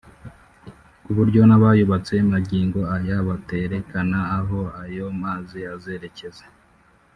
ku buryo n’abayubatse magingo aya baterekana aho ayo mazi azerekeza